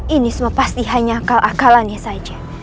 ini semua pasti hanya akal akalannya saja